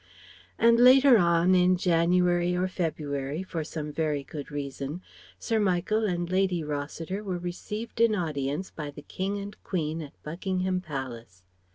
And later on, in January or February, for some very good reason, Sir Michael and Lady Rossiter were received in audience by the King and Queen at Buckingham Palace.